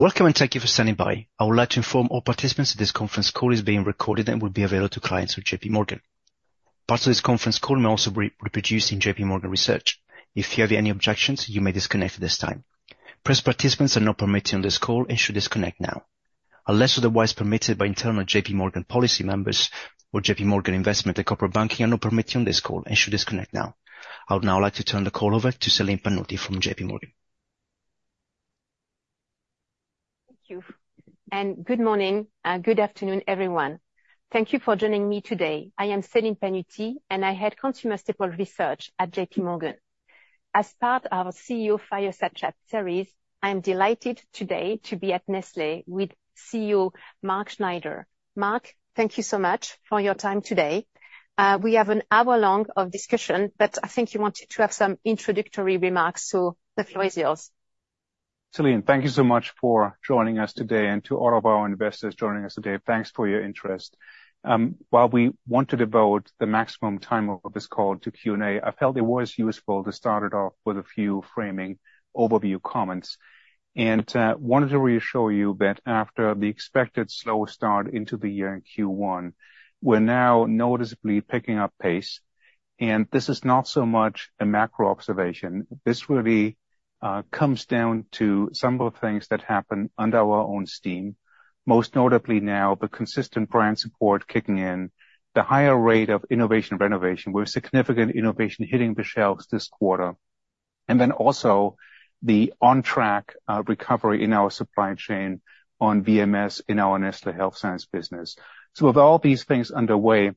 ...Welcome, and thank you for standing by. I would like to inform all participants that this conference call is being recorded and will be available to clients of J.P. Morgan. Parts of this conference call may also be reproduced in J.P. Morgan research. If you have any objections, you may disconnect at this time. Press participants are not permitted on this call and should disconnect now. Unless otherwise permitted by internal J.P. Morgan policy, members of J.P. Morgan Investment and Corporate Banking are not permitted on this call and should disconnect now. I would now like to turn the call over to Celine Pannuti from J.P. Morgan. Thank you, and good morning, good afternoon, everyone. Thank you for joining me today. I am Celine Pannuti, and I head Consumer Staples Research at J.P. Morgan. As part of our CEO Fireside Chat series, I am delighted today to be at Nestlé with CEO Mark Schneider. Mark, thank you so much for your time today. We have an hour long of discussion, but I think you wanted to have some introductory remarks, so the floor is yours. Celine, thank you so much for joining us today, and to all of our investors joining us today, thanks for your interest. While we want to devote the maximum time of this call to Q&A, I felt it was useful to start it off with a few framing overview comments, and wanted to reassure you that after the expected slow start into the year in Q1, we're now noticeably picking up pace. This is not so much a macro observation. This really comes down to some of the things that happen under our own steam, most notably now, the consistent brand support kicking in, the higher rate of innovation renovation, with significant innovation hitting the shelves this quarter. Then also the on track recovery in our supply chain on VMS, in our Nestlé Health Science business. So with all these things underway,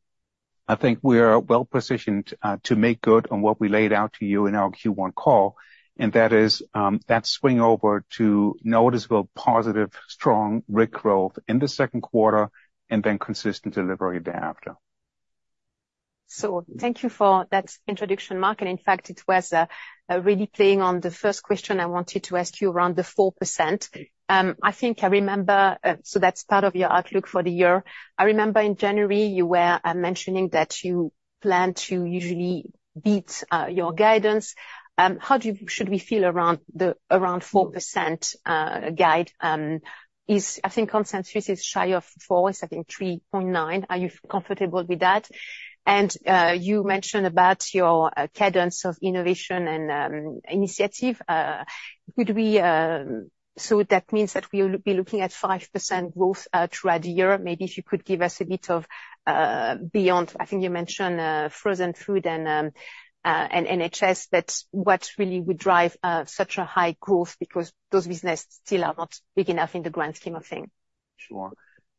I think we are well positioned to make good on what we laid out to you in our Q1 call, and that is that swing over to noticeable, positive, strong RIG growth in the second quarter and then consistent delivery thereafter. So thank you for that introduction, Mark, and in fact, it was really playing on the first question I wanted to ask you around the 4%. I think I remember, so that's part of your outlook for the year. I remember in January you were mentioning that you plan to usually beat your guidance. How do you -- should we feel around the, around 4% guide, is... I think consensus is shy of four, is I think 3.9. Are you comfortable with that? And you mentioned about your cadence of innovation and initiative. Could we... So that means that we'll be looking at 5% growth throughout the year? Maybe if you could give us a bit of beyond. I think you mentioned frozen food and and NHS. That's what really would drive such a high growth, because those businesses still are not big enough in the grand scheme of things. Sure.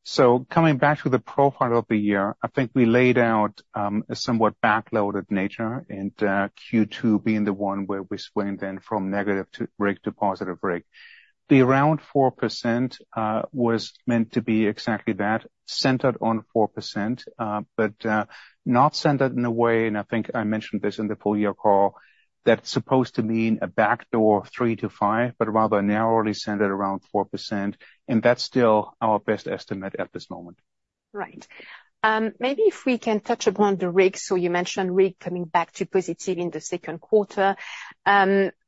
So coming back to the profile of the year, I think we laid out a somewhat backloaded nature, and Q2 being the one where we swing then from negative to RIG to positive RIG. There around 4% was meant to be exactly that, centered on 4%, but not centered in a way, and I think I mentioned this in the full year call, that's supposed to mean a backdoor 3%-5%, but rather narrowly centered around 4%, and that's still our best estimate at this moment. Right. Maybe if we can touch upon the RIG. So you mentioned RIG coming back to positive in the second quarter.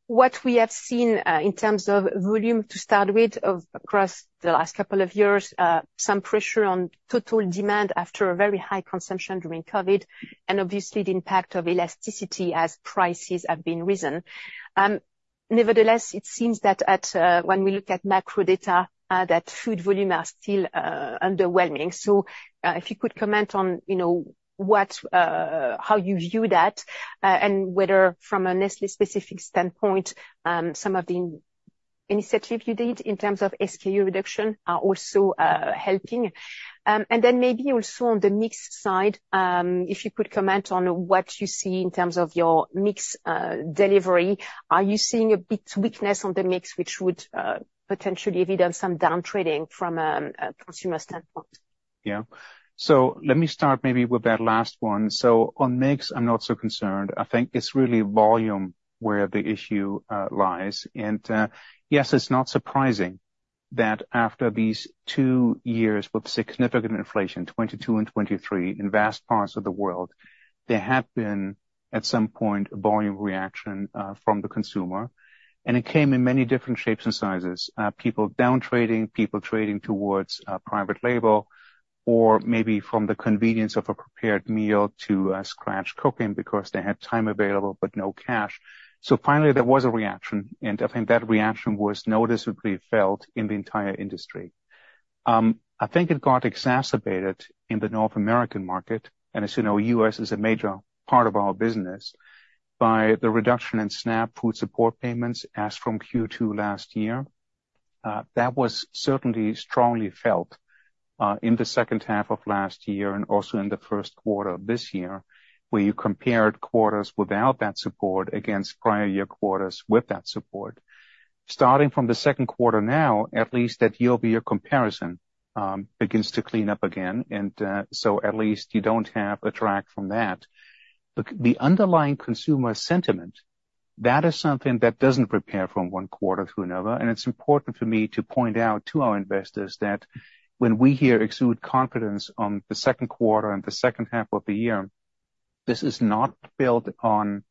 What we have seen, in terms of volume, to start with, of across the last couple of years, some pressure on total demand after a very high consumption during Covid, and obviously the impact of elasticity as prices have been risen. Nevertheless, it seems that at, when we look at macro data, that food volume are still, underwhelming. So, if you could comment on, you know, what, how you view that, and whether from a Nestlé specific standpoint, some of the initiative you did in terms of SKU reduction are also, helping. And then maybe also on the mix side, if you could comment on what you see in terms of your mix delivery. Are you seeing a bit weakness on the mix, which would potentially give you some downtrading from a consumer standpoint? Yeah. So let me start maybe with that last one. So on mix, I'm not so concerned. I think it's really volume where the issue lies. And yes, it's not surprising that after these two years with significant inflation, 2022 and 2023, in vast parts of the world, there have been, at some point, a volume reaction from the consumer, and it came in many different shapes and sizes. People downtrading, people trading towards private label, or maybe from the convenience of a prepared meal to scratch cooking because they had time available but no cash. So finally, there was a reaction, and I think that reaction was noticeably felt in the entire industry. I think it got exacerbated in the North American market, and as you know, U.S. is a major part of our business, by the reduction in SNAP food support payments as from Q2 last year. That was certainly strongly felt in the second half of last year and also in the first quarter of this year, where you compared quarters without that support against prior year quarters with that support. Starting from the second quarter now, at least that year-over-year comparison begins to clean up again, and so at least you don't have a drag from that. The underlying consumer sentiment, that is something that doesn't vary from one quarter to another. And it's important for me to point out to our investors that when we here exude confidence on the second quarter and the second half of the year-... This is not built on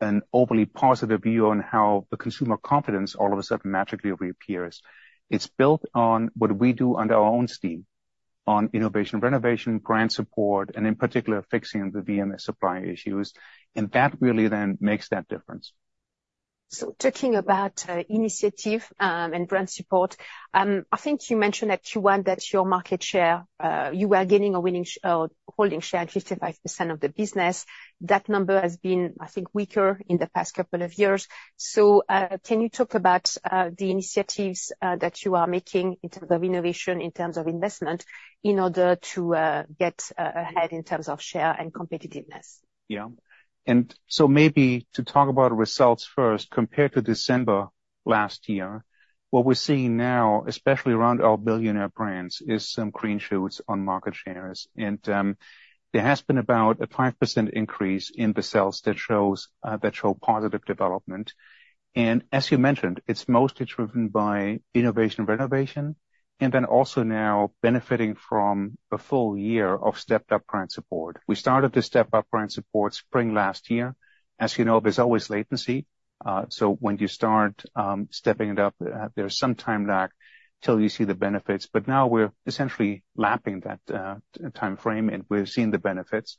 an overly positive view on how the consumer confidence all of a sudden magically reappears. It's built on what we do under our own steam, on innovation, renovation, brand support, and in particular, fixing the VMS supply issues, and that really then makes that difference. So talking about initiative and brand support, I think you mentioned at Q1 that your market share you were gaining a winning share or holding share, 55% of the business. That number has been, I think, weaker in the past couple of years. So can you talk about the initiatives that you are making in terms of innovation, in terms of investment, in order to get ahead in terms of share and competitiveness? Yeah. And so maybe to talk about results first, compared to December last year, what we're seeing now, especially around our billionaire brands, is some green shoots on market shares. And there has been about a 5% increase in the sales that shows positive development. And as you mentioned, it's mostly driven by innovation renovation, and then also now benefiting from a full year of stepped up brand support. We started the step-up brand support spring last year. As you know, there's always latency, so when you start stepping it up, there's some time lag till you see the benefits. But now we're essentially lapping that time frame, and we're seeing the benefits.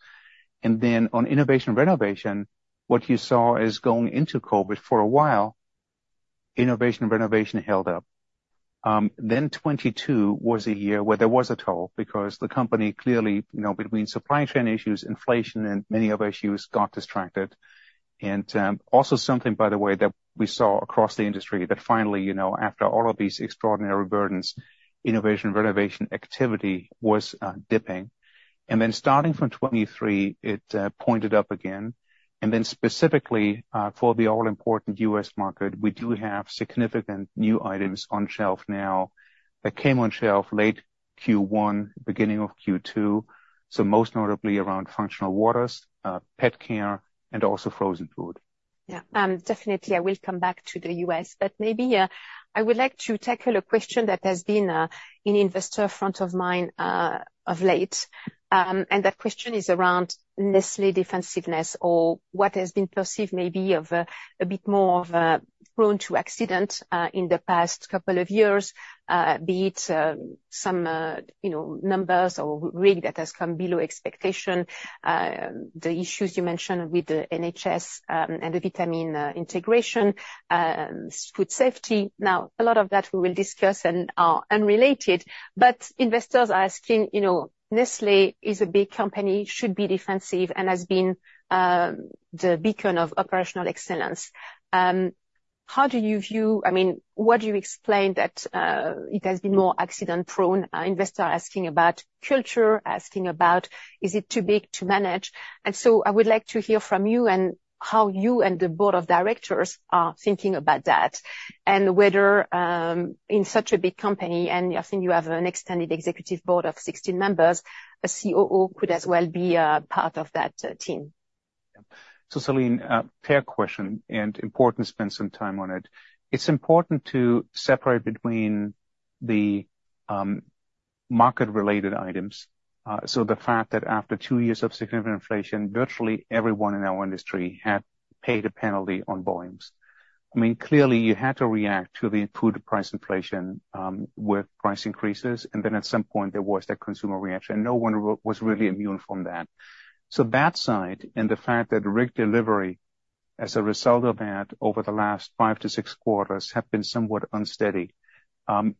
And then on innovation renovation, what you saw is going into COVID, for a while, innovation renovation held up. Then 2022 was a year where there was a toll, because the company clearly, you know, between supply chain issues, inflation, and many other issues, got distracted. And also something, by the way, that we saw across the industry, that finally, you know, after all of these extraordinary burdens, innovation renovation activity was dipping. And then starting from 2023, it pointed up again. And then specifically, for the all-important U.S. market, we do have significant new items on shelf now, that came on shelf late Q1, beginning of Q2, so most notably around functional waters, pet care, and also frozen food. Yeah. Definitely, I will come back to the US, but maybe I would like to tackle a question that has been in investor front of mind of late. That question is around Nestlé defensiveness or what has been perceived maybe of a bit more of a prone to accident in the past couple of years, be it some, you know, numbers or RIG that has come below expectation, the issues you mentioned with the NHS, and the vitamin integration, food safety. Now, a lot of that we will discuss and are unrelated, but investors are asking, you know, Nestlé is a big company, should be defensive, and has been the beacon of operational excellence. How do you view—I mean, what do you explain that it has been more accident-prone? Investors are asking about culture, asking about, is it too big to manage? And so I would like to hear from you and how you and the board of directors are thinking about that, and whether, in such a big company, and I think you have an extended executive board of 16 members, a COO could as well be a part of that, team. So, Celine, fair question, and important to spend some time on it. It's important to separate between the market-related items. So the fact that after two years of significant inflation, virtually everyone in our industry had paid a penalty on volumes. I mean, clearly, you had to react to the food price inflation with price increases, and then at some point, there was that consumer reaction. No one was really immune from that. So that side, and the fact that RIG delivery, as a result of that, over the last five to six quarters, have been somewhat unsteady,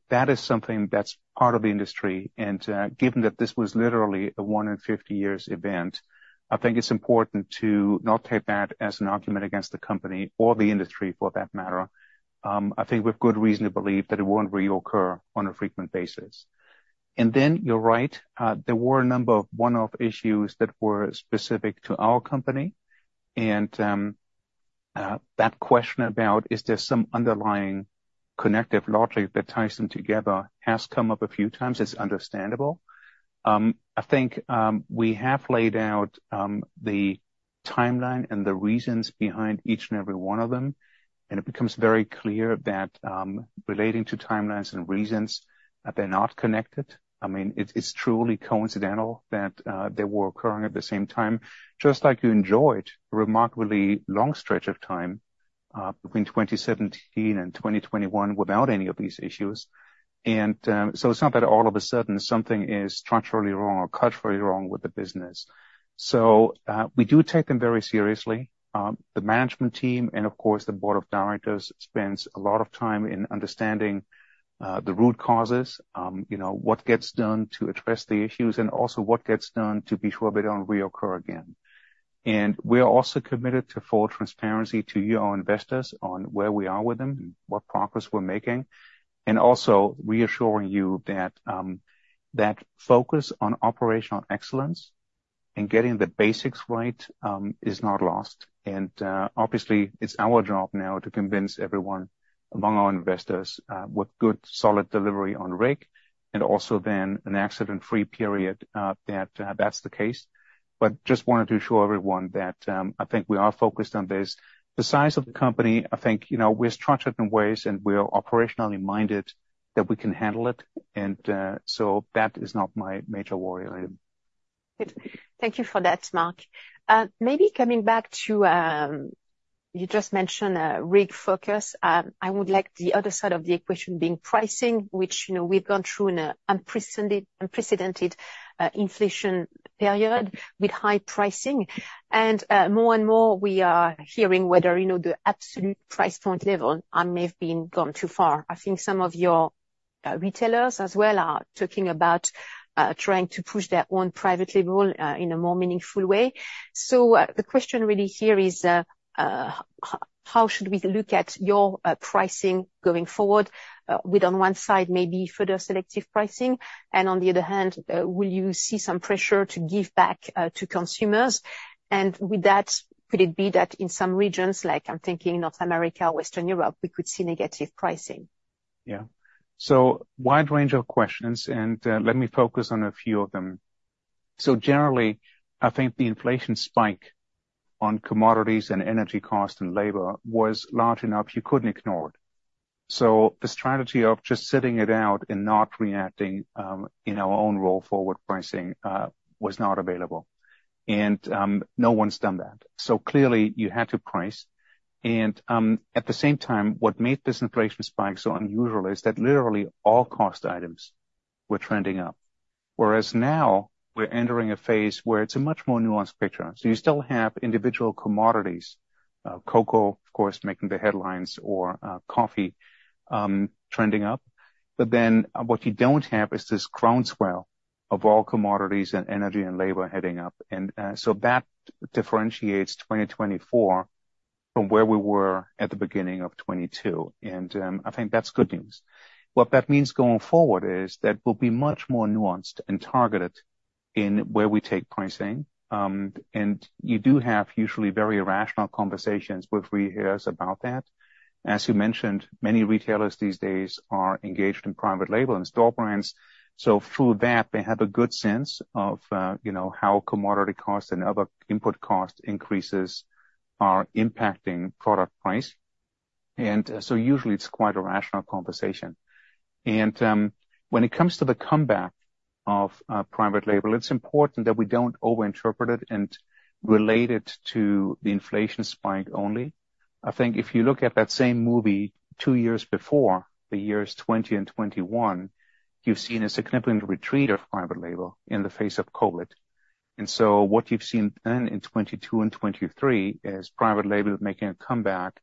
that is something that's part of the industry. And, given that this was literally a one in 50 years event, I think it's important to not take that as an argument against the company or the industry, for that matter. I think we've good reason to believe that it won't reoccur on a frequent basis. And then you're right, there were a number of one-off issues that were specific to our company, and, that question about, is there some underlying connective logic that ties them together, has come up a few times. It's understandable. I think, we have laid out, the timeline and the reasons behind each and every one of them, and it becomes very clear that, relating to timelines and reasons, that they're not connected. I mean, it's, it's truly coincidental that, they were occurring at the same time, just like you enjoyed a remarkably long stretch of time, between 2017 and 2021 without any of these issues. So it's not that all of a sudden something is structurally wrong or culturally wrong with the business. So we do take them very seriously. The management team and, of course, the board of directors spends a lot of time in understanding the root causes, you know, what gets done to address the issues, and also what gets done to be sure they don't reoccur again. And we are also committed to full transparency to you, our investors, on where we are with them, what progress we're making, and also reassuring you that that focus on operational excellence and getting the basics right is not lost. And obviously, it's our job now to convince everyone among our investors with good, solid delivery on RIG, and also then an accident-free period that that's the case. Just wanted to assure everyone that, I think we are focused on this. The size of the company, I think, you know, we're structured in ways and we're operationally minded, that we can handle it, and, so that is not my major worry. Good. Thank you for that, Mark. Maybe coming back to, you just mentioned RIG focus. I would like the other side of the equation being pricing, which, you know, we've gone through an unprecedented, unprecedented inflation period with high pricing. More and more, we are hearing whether, you know, the absolute price point level may have gone too far. I think some of your retailers as well are talking about trying to push their own private label in a more meaningful way. The question really here is, how should we look at your pricing going forward, with, on one side, maybe further selective pricing, and on the other hand, will you see some pressure to give back to consumers? And with that, could it be that in some regions, like I'm thinking North America or Western Europe, we could see negative pricing? Yeah. So wide range of questions, and, let me focus on a few of them. So generally, I think the inflation spike on commodities and energy costs and labor was large enough you couldn't ignore it. So the strategy of just sitting it out and not reacting, in our own roll forward pricing, was not available. And, no one's done that. So clearly, you had to price. And, at the same time, what made this inflation spike so unusual is that literally all cost items were trending up, whereas now we're entering a phase where it's a much more nuanced picture. So you still have individual commodities, cocoa, of course, making the headlines or, coffee, trending up. But then what you don't have is this groundswell of all commodities and energy and labor heading up. And, so that differentiates 2024 from where we were at the beginning of 2022, and I think that's good news. What that means going forward is that we'll be much more nuanced and targeted in where we take pricing. And you do have usually very rational conversations with retailers about that. As you mentioned, many retailers these days are engaged in private label and store brands, so through that, they have a good sense of, you know, how commodity costs and other input cost increases are impacting product price. And, so usually it's quite a rational conversation. And, when it comes to the comeback of private label, it's important that we don't overinterpret it and relate it to the inflation spike only. I think if you look at that same movie two years before, the years 2020 and 2021, you've seen a significant retreat of private label in the face of COVID. And so what you've seen then in 2022 and 2023 is private label making a comeback.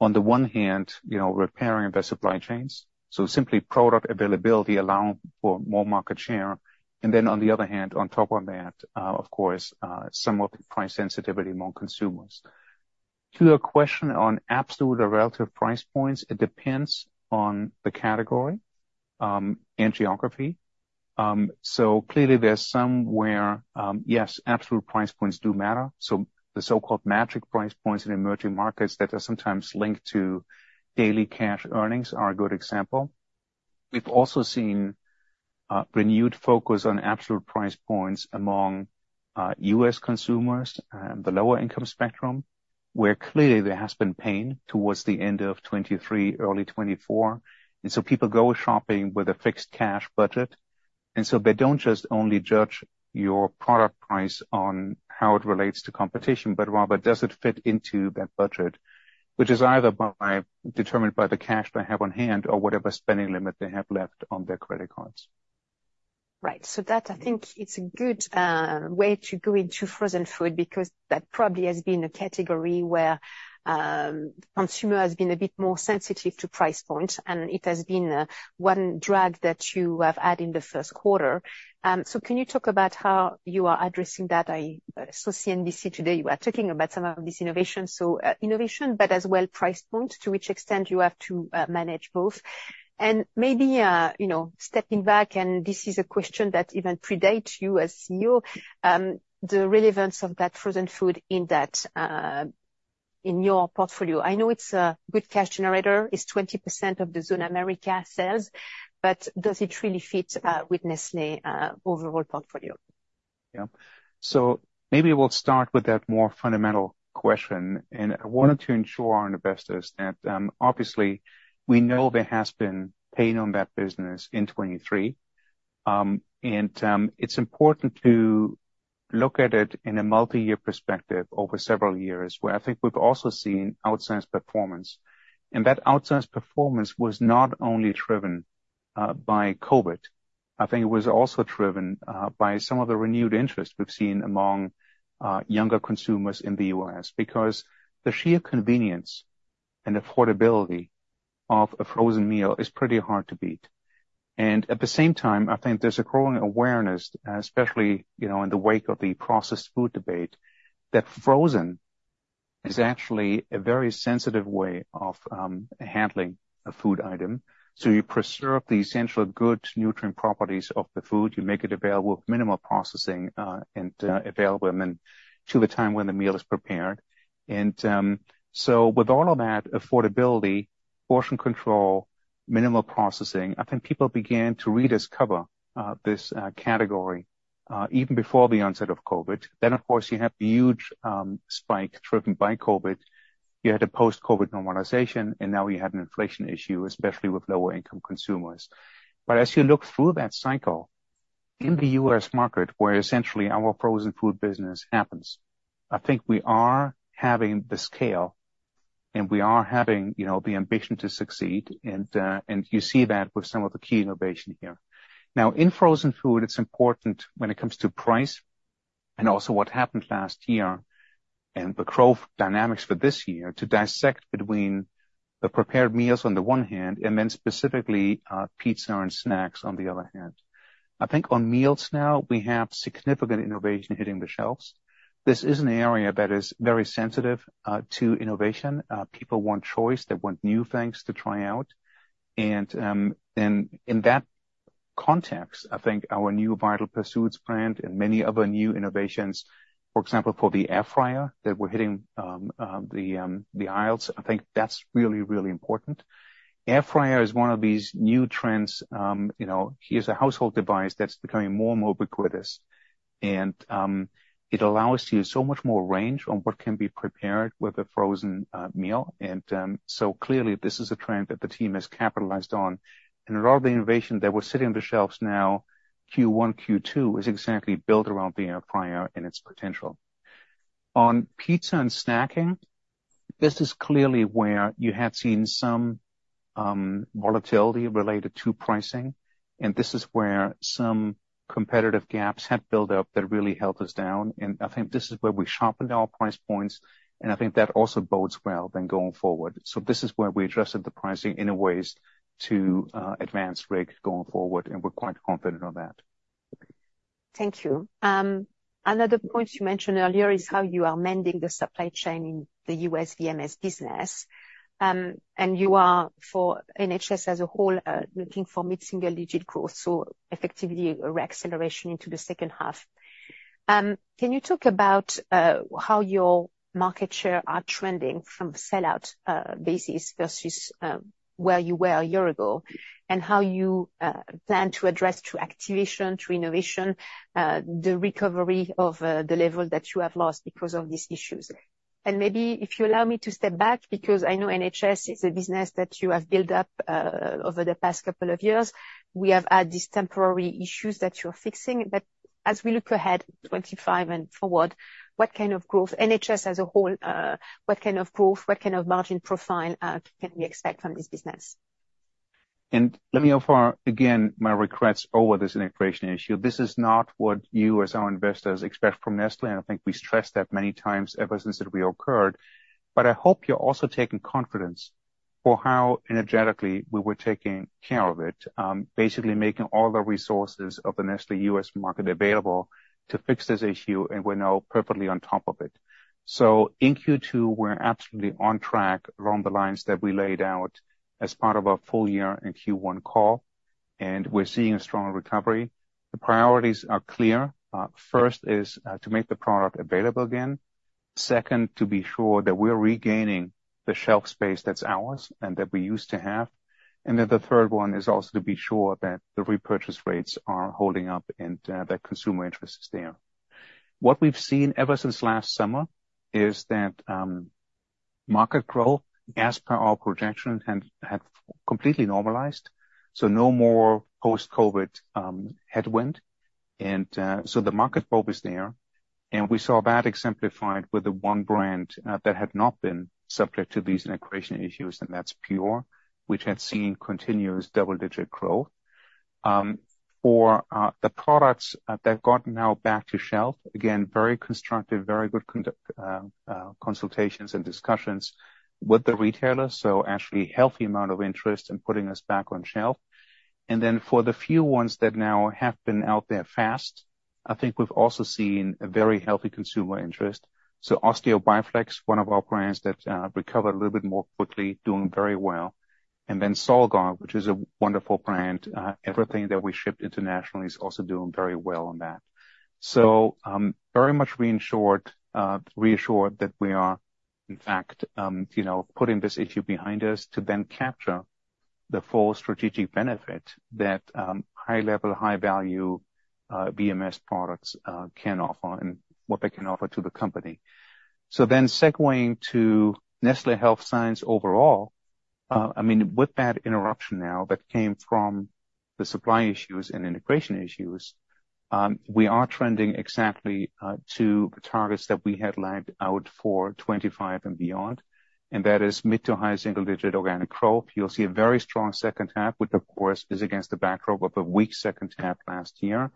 On the one hand, you know, repairing their supply chains, so simply product availability allowing for more market share, and then on the other hand, on top of that, of course, some of the price sensitivity among consumers. To your question on absolute or relative price points, it depends on the category, and geography. So clearly there's some where, yes, absolute price points do matter, so the so-called magic price points in emerging markets that are sometimes linked to daily cash earnings are a good example. We've also seen renewed focus on absolute price points among U.S. consumers, the lower income spectrum, where clearly there has been pain towards the end of 2023, early 2024. And so people go shopping with a fixed cash budget, and so they don't just only judge your product price on how it relates to competition, but rather does it fit into their budget, which is either determined by the cash they have on hand or whatever spending limit they have left on their credit cards. Right. So that I think it's a good way to go into frozen food, because that probably has been a category where consumer has been a bit more sensitive to price points, and it has been one drag that you have had in the first quarter. So can you talk about how you are addressing that? I saw CNBC today, you were talking about some of these innovations. So innovation, but as well, price points, to which extent you have to manage both. And maybe, you know, stepping back, and this is a question that even predates you as CEO, the relevance of that frozen food in that in your portfolio. I know it's a good cash generator. It's 20% of the Zone America sales, but does it really fit with Nestlé overall portfolio? Yeah. So maybe we'll start with that more fundamental question, and I wanted to ensure our investors that, obviously, we know there has been pain on that business in 2023. And, it's important to look at it in a multi-year perspective over several years, where I think we've also seen outsized performance. And that outsized performance was not only driven by COVID. I think it was also driven by some of the renewed interest we've seen among younger consumers in the U.S. Because the sheer convenience and affordability of a frozen meal is pretty hard to beat. And at the same time, I think there's a growing awareness, especially, you know, in the wake of the processed food debate, that frozen is actually a very sensitive way of handling a food item. So you preserve the essential good nutrient properties of the food. You make it available with minimal processing, and available then to the time when the meal is prepared. So with all of that affordability, portion control, minimal processing, I think people began to rediscover this category... even before the onset of COVID, then, of course, you had the huge spike driven by COVID. You had a post-COVID normalization, and now you have an inflation issue, especially with lower income consumers. But as you look through that cycle, in the U.S. market, where essentially our frozen food business happens, I think we are having the scale, and we are having, you know, the ambition to succeed, and you see that with some of the key innovation here. Now, in frozen food, it's important when it comes to price, and also what happened last year, and the growth dynamics for this year, to dissect between the prepared meals on the one hand, and then specifically, pizza and snacks on the other hand. I think on meals now, we have significant innovation hitting the shelves. This is an area that is very sensitive, to innovation. People want choice. They want new things to try out. And in that context, I think our new Vital Pursuit brand and many other new innovations, for example, for the air fryer, that we're hitting the aisles, I think that's really, really important. Air fryer is one of these new trends, you know, here's a household device that's becoming more and more ubiquitous, and it allows you so much more range on what can be prepared with a frozen meal. So clearly, this is a trend that the team has capitalized on. A lot of the innovation that we're sitting on the shelves now, Q1, Q2, is exactly built around the air fryer and its potential. On pizza and snacking, this is clearly where you had seen some volatility related to pricing, and this is where some competitive gaps had built up that really held us down, and I think this is where we sharpened our price points, and I think that also bodes well then going forward. This is where we adjusted the pricing in a way to advance RIG going forward, and we're quite confident on that. Thank you. Another point you mentioned earlier is how you are mending the supply chain in the U.S. VMS business. And you are, for NHS as a whole, looking for mid-single digit growth, so effectively a reacceleration into the second half. Can you talk about, how your market share are trending from a sellout, basis versus, where you were a year ago, and how you, plan to address, through activation, through innovation, the recovery of, the level that you have lost because of these issues? And maybe if you allow me to step back, because I know NHS is a business that you have built up, over the past couple of years. We have had these temporary issues that you're fixing, but as we look ahead, 2025 and forward, what kind of growth, NHS as a whole, what kind of margin profile, can we expect from this business? Let me offer, again, my regrets over this integration issue. This is not what you, as our investors, expect from Nestlé, and I think we stressed that many times ever since it reoccurred. I hope you're also taking confidence for how energetically we were taking care of it, basically making all the resources of the Nestlé U.S. market available to fix this issue, and we're now perfectly on top of it. In Q2, we're absolutely on track along the lines that we laid out as part of our full year in Q1 call, and we're seeing a strong recovery. The priorities are clear. First is to make the product available again. Second, to be sure that we're regaining the shelf space that's ours and that we used to have. And then the third one is also to be sure that the repurchase rates are holding up and, that consumer interest is there. What we've seen ever since last summer is that, market growth, as per our projections, have completely normalized, so no more post-COVID, headwind. And, so the market pull is there, and we saw that exemplified with the one brand, that had not been subject to these integration issues, and that's Pure, which had seen continuous double-digit growth. For, the products, that got now back to shelf, again, very constructive, very good consultations and discussions with the retailers, so actually healthy amount of interest in putting us back on shelf. And then for the few ones that now have been out there fast, I think we've also seen a very healthy consumer interest. So Osteo Bi-Flex, one of our brands that recovered a little bit more quickly, doing very well. And then Solgar, which is a wonderful brand, everything that we ship internationally is also doing very well on that. So very much reassured that we are, in fact, you know, putting this issue behind us to then capture the full strategic benefit that high-level, high-value VMS products can offer and what they can offer to the company. So then segueing to Nestlé Health Science overall, I mean, with that interruption now that came from the supply issues and integration issues, we are trending exactly to the targets that we had laid out for 2025 and beyond, and that is mid- to high single-digit organic growth. You'll see a very strong second half, which of course, is against the backdrop of a weak second half last year.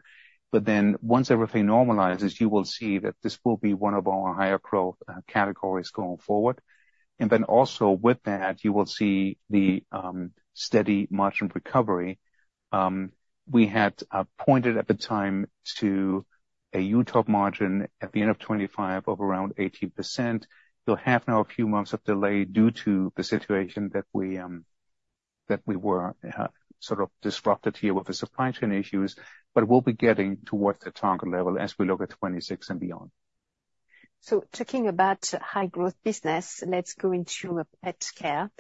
But then once everything normalizes, you will see that this will be one of our higher growth categories going forward. And then also with that, you will see the steady margin recovery. We had pointed at the time to a UTOP margin at the end of 2025 of around 18%. You'll have now a few months of delay due to the situation that we were sort of disrupted here with the supply chain issues, but we'll be getting towards the target level as we look at 2026 and beyond.... So talking about high growth business, let's go into pet care.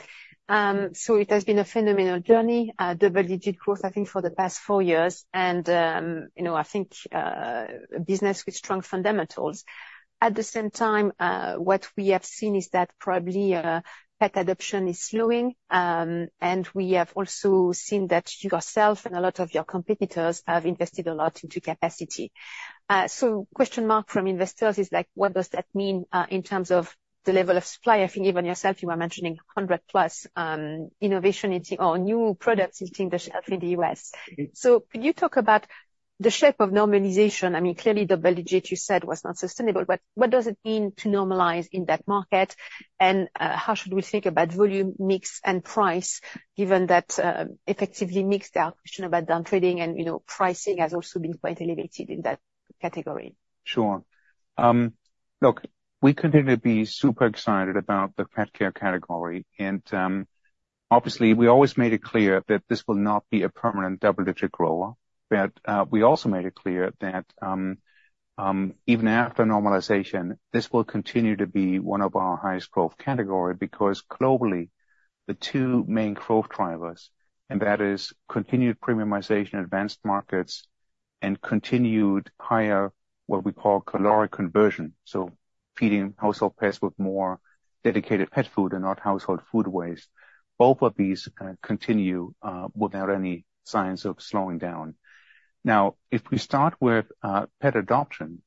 So it has been a phenomenal journey, double-digit growth, I think, for the past four years, and, you know, I think, a business with strong fundamentals. At the same time, what we have seen is that probably, pet adoption is slowing, and we have also seen that you yourself and a lot of your competitors have invested a lot into capacity. So question mark from investors is, like, what does that mean, in terms of the level of supply? I think even yourself, you were mentioning 100+ innovation into or new products hitting the shelf in the U.S. So could you talk about the shape of normalization? I mean, clearly, double digit, you said, was not sustainable, but what does it mean to normalize in that market? How should we think about volume, mix, and price, given that effectively mix the question about down trading and, you know, pricing has also been quite elevated in that category? Sure. Look, we continue to be super excited about the pet care category, and, obviously, we always made it clear that this will not be a permanent double-digit grower. But, we also made it clear that, even after normalization, this will continue to be one of our highest growth category, because globally, the two main growth drivers, and that is continued premiumization in advanced markets and continued higher, what we call caloric conversion, so feeding household pets with more dedicated pet food and not household food waste. Both of these continue without any signs of slowing down. Now, if we start with pet adoption,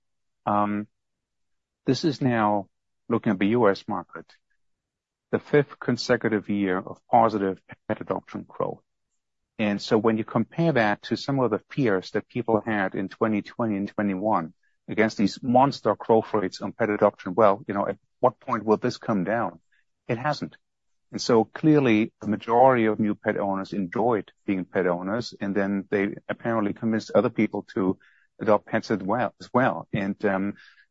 this is now looking at the U.S. market, the fifth consecutive year of positive pet adoption growth. And so when you compare that to some of the fears that people had in 2020 and 2021 against these monster growth rates on pet adoption, well, you know, at what point will this come down? It hasn't. And so clearly, the majority of new pet owners enjoyed being pet owners, and then they apparently convinced other people to adopt pets as well, as well. And,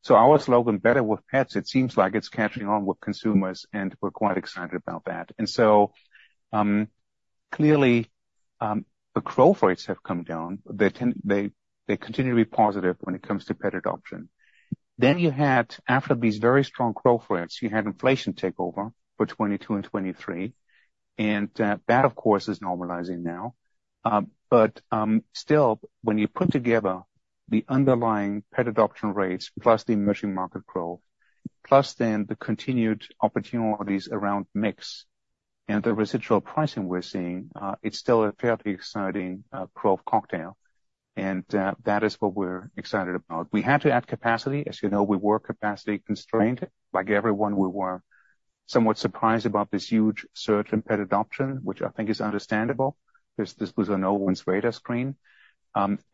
so our slogan, Better With Pets, it seems like it's catching on with consumers, and we're quite excited about that. And so, clearly, the growth rates have come down. They tend to continue to be positive when it comes to pet adoption. Then you had, after these very strong growth rates, you had inflation take over for 2022 and 2023, and, that, of course, is normalizing now. But still, when you put together the underlying pet adoption rates, plus the emerging market growth, plus then the continued opportunities around mix and the residual pricing we're seeing, it's still a fairly exciting growth cocktail, and that is what we're excited about. We had to add capacity. As you know, we were capacity constrained. Like everyone, we were somewhat surprised about this huge surge in pet adoption, which I think is understandable. This was on no one's radar screen.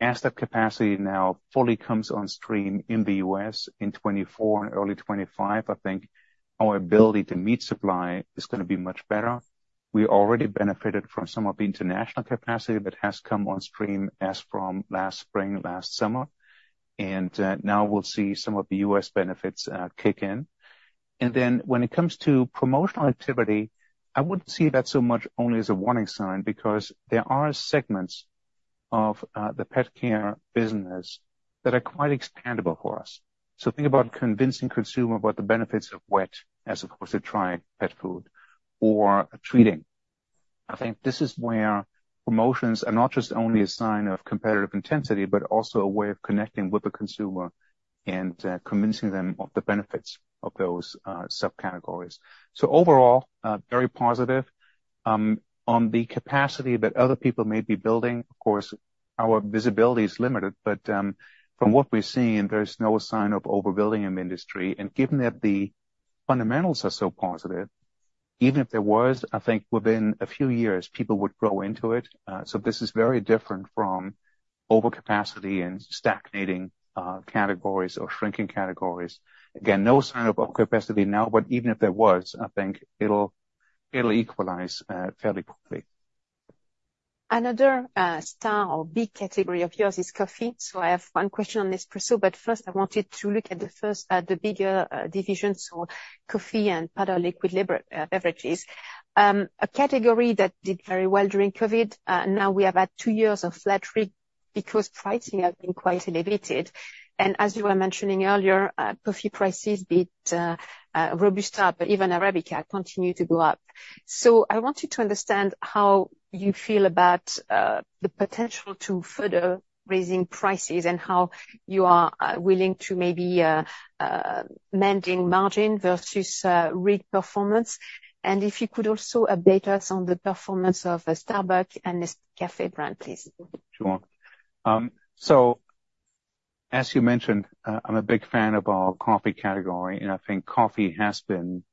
As that capacity now fully comes on stream in the US in 2024 and early 2025, I think our ability to meet supply is gonna be much better. We already benefited from some of the international capacity that has come on stream as from last spring, last summer, and now we'll see some of the US benefits kick in. And then, when it comes to promotional activity, I wouldn't see that so much only as a warning sign, because there are segments of the pet care business that are quite expandable for us. So think about convincing consumer about the benefits of wet as opposed to dry pet food or treating. I think this is where promotions are not just only a sign of competitive intensity, but also a way of connecting with the consumer and convincing them of the benefits of those subcategories. So overall, very positive. On the capacity that other people may be building, of course, our visibility is limited, but from what we're seeing, there's no sign of overbuilding in the industry, and given that the fundamentals are so positive, even if there was, I think within a few years, people would grow into it. So this is very different from overcapacity and stagnating categories or shrinking categories. Again, no sign of overcapacity now, but even if there was, I think it'll equalize fairly quickly. Another, star or big category of yours is coffee. So I have one question on Nespresso, but first, I wanted to look at the first, the bigger, division, so coffee and other liquid beverages. A category that did very well during COVID, now we have had two years of flat RIG because pricing has been quite elevated. And as you were mentioning earlier, coffee prices, be it, Robusta, but even Arabica, continue to go up. So I wanted to understand how you feel about, the potential to further raising prices and how you are, willing to maybe, trading margin versus, RIG performance. And if you could also update us on the performance of, Starbucks and Nescafé brand, please. Sure. So as you mentioned, I'm a big fan of our coffee category, and I think coffee has been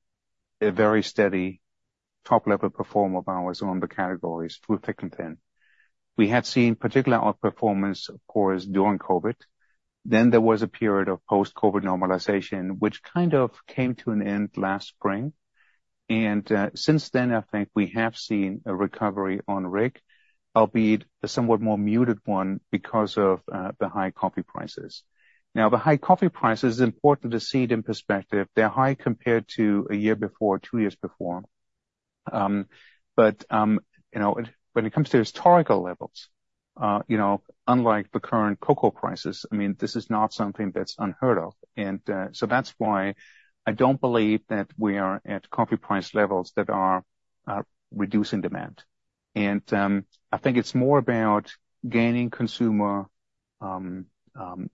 a very steady top-level performer of ours on the categories through thick and thin. We had seen particular outperformance, of course, during COVID. Then there was a period of post-COVID normalization, which kind of came to an end last spring. And since then, I think we have seen a recovery on RIG, albeit a somewhat more muted one because of the high coffee prices. Now, the high coffee price is important to see it in perspective. They're high compared to a year before, two years before. But you know, when it comes to historical levels, you know, unlike the current cocoa prices, I mean, this is not something that's unheard of. So that's why I don't believe that we are at coffee price levels that are reducing demand. I think it's more about gaining consumer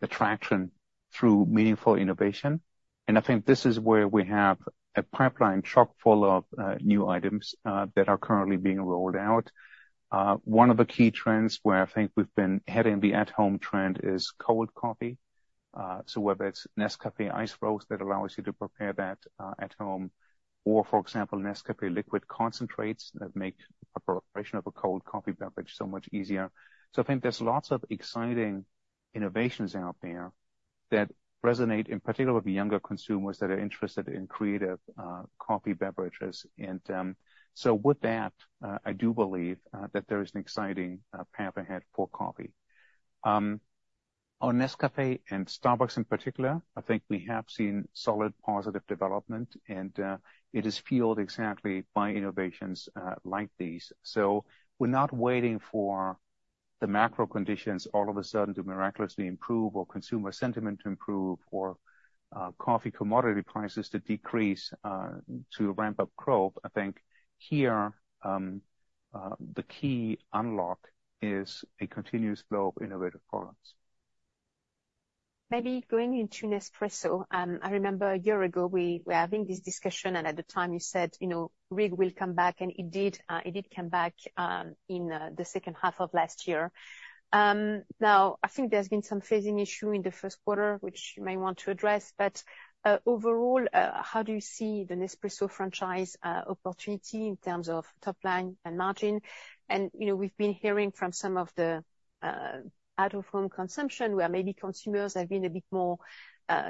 attraction through meaningful innovation. And I think this is where we have a pipeline chock-full of new items that are currently being rolled out. One of the key trends where I think we've been heading, the at-home trend, is cold coffee. So whether it's Nescafé Ice Roast, that allows you to prepare that at home, or, for example, Nescafé Liquid Concentrates, that make the preparation of a cold coffee beverage so much easier. So I think there's lots of exciting innovations out there that resonate, in particular, with the younger consumers that are interested in creative coffee beverages. So with that, I do believe that there is an exciting path ahead for coffee. On Nescafé and Starbucks in particular, I think we have seen solid, positive development, and it is fueled exactly by innovations like these. So we're not waiting for the macro conditions all of a sudden to miraculously improve or consumer sentiment to improve or coffee commodity prices to decrease to ramp up growth. I think here, the key unlock is a continuous flow of innovative products. Maybe going into Nespresso, I remember a year ago, we were having this discussion, and at the time, you said, you know, rig will come back, and it did. It did come back in the second half of last year. Now, I think there's been some phasing issue in the first quarter, which you may want to address, but overall, how do you see the Nespresso franchise opportunity in terms of top line and margin? And, you know, we've been hearing from some of the out-of-home consumption, where maybe consumers have been a bit more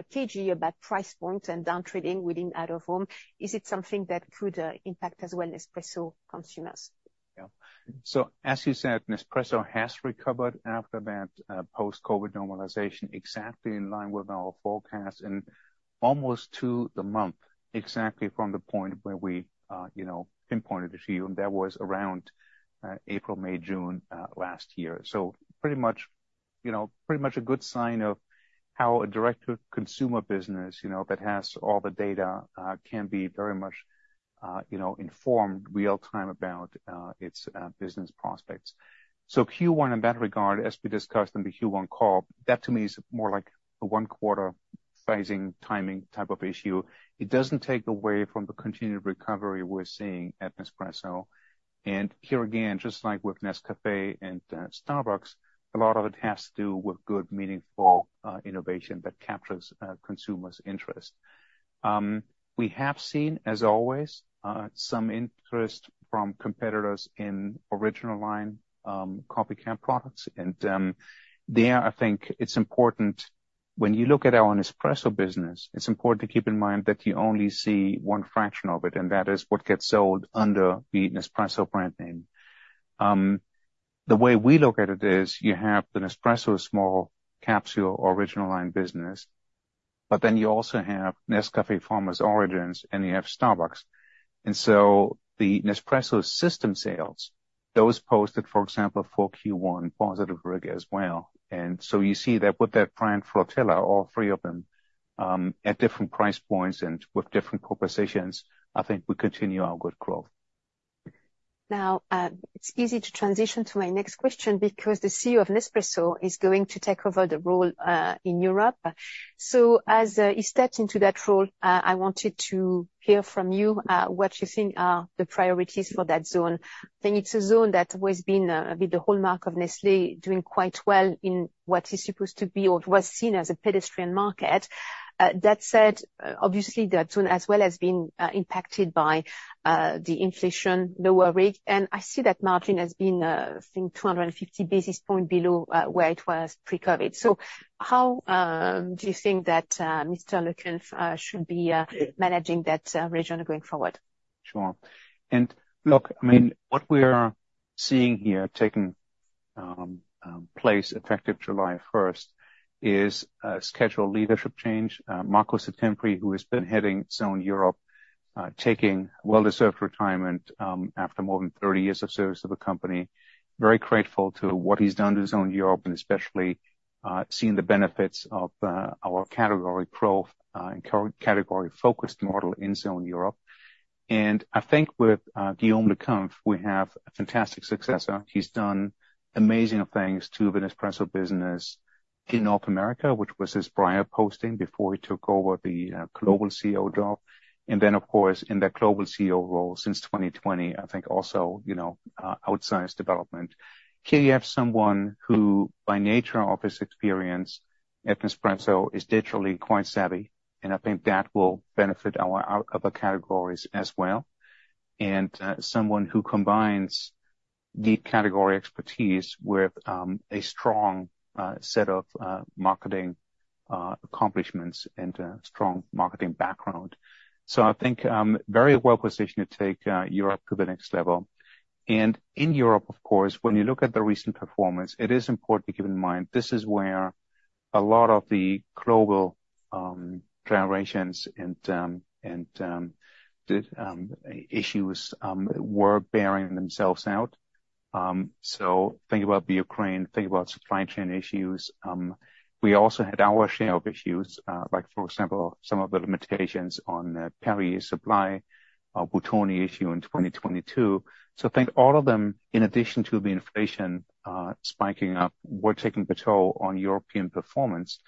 cagey about price points and down trading within out-of-home. Is it something that could impact, as well, Nespresso consumers? Yeah. So as you said, Nespresso has recovered after that post-COVID normalization, exactly in line with our forecast, and almost to the month, exactly from the point where we you know pinpointed it to you, and that was around April, May, June last year. So pretty much you know pretty much a good sign of how a direct-to-consumer business you know that has all the data can be very much you know informed real-time about its business prospects. So Q1, in that regard, as we discussed on the Q1 call, that to me is more like a one-quarter phasing, timing type of issue. It doesn't take away from the continued recovery we're seeing at Nespresso. And here, again, just like with Nescafé and Starbucks, a lot of it has to do with good, meaningful innovation that captures consumers' interest. We have seen, as always, some interest from competitors in Original Line coffee capsule products, and there, I think it's important—when you look at our Nespresso business, it's important to keep in mind that you only see one fraction of it, and that is what gets sold under the Nespresso brand name. The way we look at it is, you have the Nespresso small capsule Original Line business, but then you also have Nescafé Farmers Origins, and you have Starbucks. And so the Nespresso system sales, those posted, for example, for Q1, positive RIG as well. And so you see that with that brand flotilla, all three of them, at different price points and with different propositions, I think we continue our good growth. Now, it's easy to transition to my next question, because the CEO of Nespresso is going to take over the role in Europe. So as he steps into that role, I wanted to hear from you what you think are the priorities for that zone. I think it's a zone that has been the hallmark of Nestlé doing quite well in what is supposed to be or was seen as a pedestrian market. That said, obviously, that zone as well has been impacted by the inflation, lower rig, and I see that margin has been, I think, 250 basis points below where it was pre-COVID. So how do you think that, Mr. Le Cunff, should be managing that region going forward? Sure. And look, I mean, what we are seeing here, taking place effective July 1st, is a scheduled leadership change. Marco Settembri, who has been heading Zone Europe, taking well-deserved retirement, after more than 30 years of service to the company. Very grateful to what he's done to Zone Europe, and especially seeing the benefits of our category-focused model in Zone Europe. And I think with Guillaume Le Cunff, we have a fantastic successor. He's done amazing things to the Nespresso business in North America, which was his prior posting before he took over the global CEO job. And then, of course, in the global CEO role since 2020, I think also, you know, outsized development. Here you have someone who, by nature of his experience at Nespresso, is digitally quite savvy, and I think that will benefit our other categories as well. And someone who combines deep category expertise with a strong set of marketing accomplishments and strong marketing background. So I think very well positioned to take Europe to the next level. And in Europe, of course, when you look at the recent performance, it is important to keep in mind, this is where a lot of the global gyrations and the issues were bearing themselves out. So think about the Ukraine, think about supply chain issues. We also had our share of issues, like, for example, some of the limitations on Perrier supply, our Buitoni issue in 2022. So I think all of them, in addition to the inflation, spiking up, were taking a toll on European performance.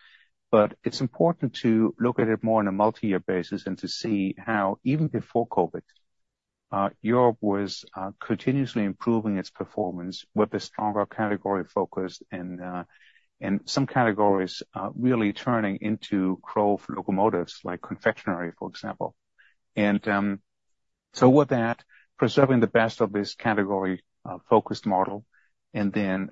But it's important to look at it more on a multi-year basis and to see how even before COVID, Europe was continuously improving its performance with a stronger category focus and and some categories really turning into growth locomotives, like confectionery, for example. And so with that, preserving the best of this category focused model, and then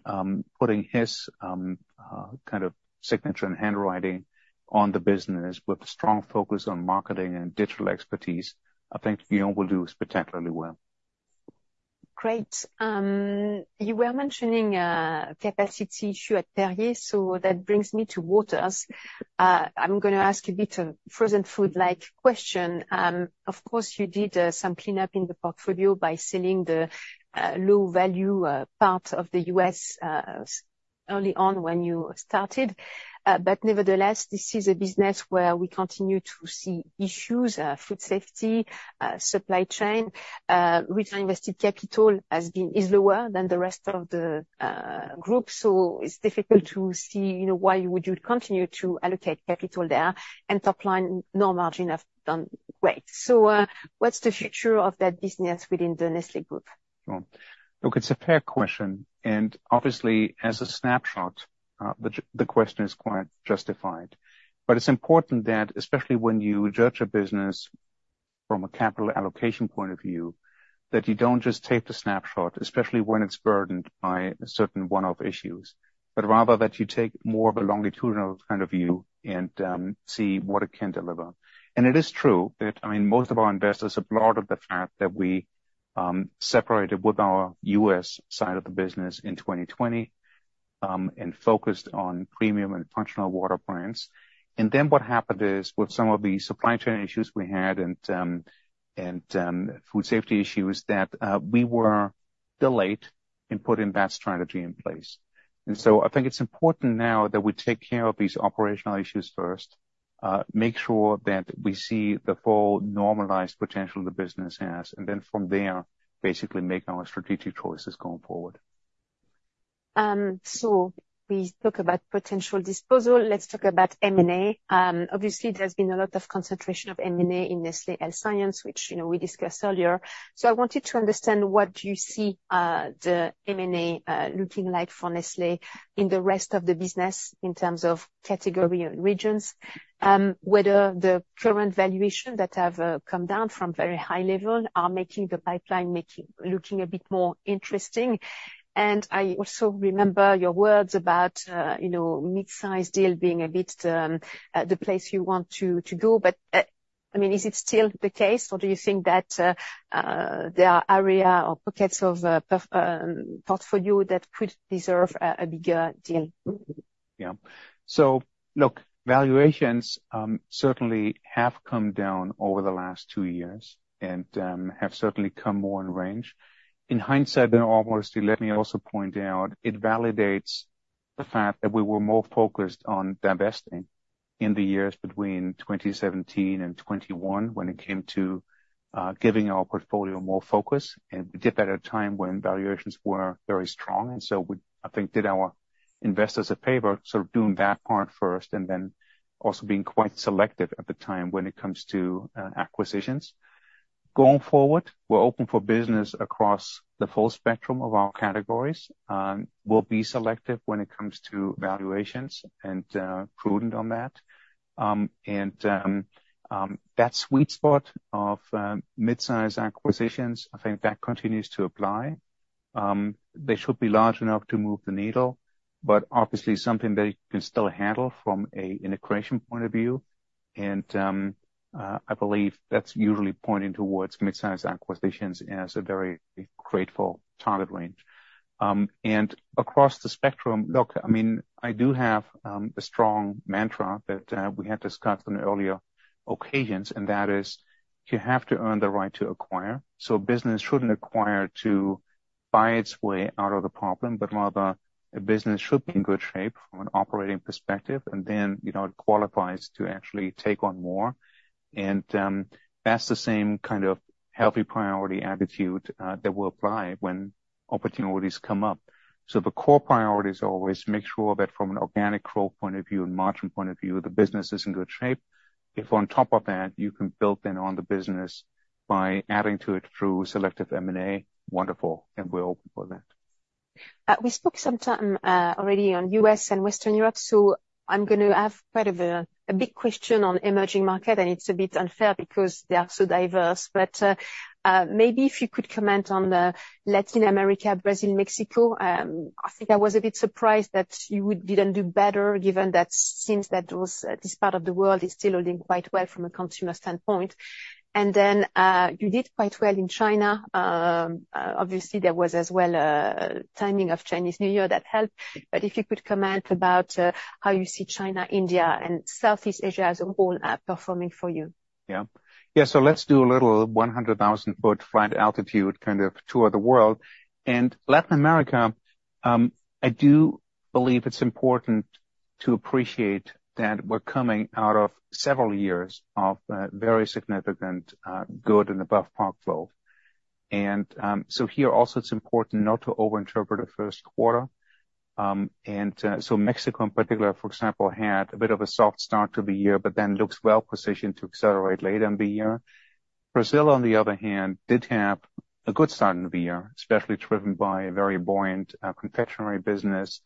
putting his kind of signature and handwriting on the business with a strong focus on marketing and digital expertise, I think Guillaume will do spectacularly well. Great. You were mentioning capacity issue at Perrier, so that brings me to waters. I'm gonna ask you a bit of frozen food-like question. Of course, you did some cleanup in the portfolio by selling the low value part of the US early on when you started. But nevertheless, this is a business where we continue to see issues, food safety, supply chain, which invested capital has been, is lower than the rest of the group. So it's difficult to see, you know, why would you continue to allocate capital there and top line, no margin have done great. So, what's the future of that business within the Nestlé group? Well, look, it's a fair question, and obviously, as a snapshot, the question is quite justified. But it's important that, especially when you judge a business from a capital allocation point of view, that you don't just take the snapshot, especially when it's burdened by certain one-off issues, but rather that you take more of a longitudinal kind of view and see what it can deliver. And it is true that, I mean, most of our investors applaud the fact that we separated with our U.S. side of the business in 2020 and focused on premium and functional water brands. And then what happened is, with some of the supply chain issues we had and food safety issues, that we were delayed in putting that strategy in place. And so I think it's important now that we take care of these operational issues first, make sure that we see the full normalized potential the business has, and then from there, basically make our strategic choices going forward. We talk about potential disposal. Let's talk about M&A. Obviously, there's been a lot of concentration of M&A in Nestlé Health Science, which, you know, we discussed earlier. I wanted to understand what you see, the M&A, looking like for Nestlé in the rest of the business in terms of category and regions. Whether the current valuation that have come down from very high level are making the pipeline making, looking a bit more interesting. I also remember your words about, you know, mid-sized deal being a bit the place you want to go. But, I mean, is it still the case, or do you think that there are area or pockets of portfolio that could deserve a bigger deal? Yeah. So look, valuations certainly have come down over the last two years and have certainly come more in range. In hindsight, then obviously, let me also point out, it validates the fact that we were more focused on divesting in the years between 2017 and 2021, when it came to giving our portfolio more focus. And we did that at a time when valuations were very strong, and so we, I think, did our investors a favor, sort of doing that part first, and then also being quite selective at the time when it comes to acquisitions. Going forward, we're open for business across the full spectrum of our categories, we'll be selective when it comes to valuations and prudent on that. And that sweet spot of mid-size acquisitions, I think that continues to apply. They should be large enough to move the needle, but obviously something that you can still handle from an integration point of view. I believe that's usually pointing towards mid-size acquisitions as a very grateful target range. Across the spectrum, look, I mean, I do have a strong mantra that we had discussed on earlier occasions, and that is, you have to earn the right to acquire. So business shouldn't acquire to buy its way out of the problem, but rather a business should be in good shape from an operating perspective, and then, you know, it qualifies to actually take on more. That's the same kind of healthy priority attitude that we'll apply when opportunities come up. The core priority is always make sure that from an organic growth point of view and margin point of view, the business is in good shape. If on top of that, you can build then on the business by adding to it through selective M&A, wonderful, and we're open for that. We spoke sometime already on U.S. and Western Europe, so I'm gonna ask quite a big question on emerging market, and it's a bit unfair because they are so diverse. But maybe if you could comment on the Latin America, Brazil, Mexico. I think I was a bit surprised that you didn't do better, given that this part of the world is still holding quite well from a consumer standpoint. And then you did quite well in China. Obviously, there was as well timing of Chinese New Year that helped. But if you could comment about how you see China, India, and Southeast Asia as a whole performing for you. Yeah. Yeah, so let's do a little 100,000-foot flight altitude, kind of tour of the world. And Latin America, I do believe it's important to appreciate that we're coming out of several years of very significant good and above par flow. And, so here also, it's important not to overinterpret the first quarter. So Mexico, in particular, for example, had a bit of a soft start to the year, but then looks well positioned to accelerate later in the year. Brazil, on the other hand, did have a good start in the year, especially driven by a very buoyant confectionery business.